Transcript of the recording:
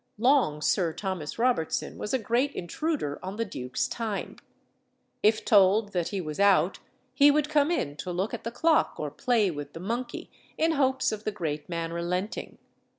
"Long" Sir Thomas Robertson was a great intruder on the duke's time; if told that he was out, he would come in to look at the clock or play with the monkey, in hopes of the great man relenting.